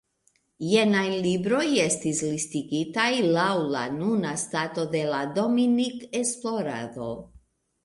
Jenaj libroj estas listigitaj lau la nuna stato de la Dominik-esplorado.